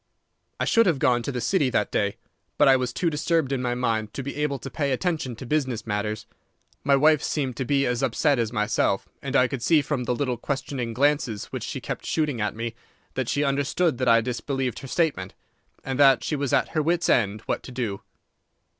"I should have gone to the City that day, but I was too disturbed in my mind to be able to pay attention to business matters. My wife seemed to be as upset as myself, and I could see from the little questioning glances which she kept shooting at me that she understood that I disbelieved her statement, and that she was at her wits' end what to do.